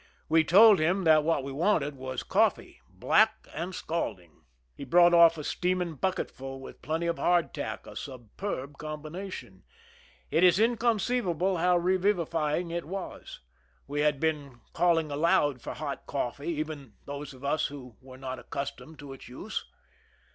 We told him that what we wanted was coffee, black and scalding. 68 (■ THE RUN IN He brought off a steaming bucketful, with plenty of hardtack—a superb combination. It is incon ceivable ho\^' revivifying it was. We had been *. calling aloud for hot coffee, even those of us who i were not accustomed to its use.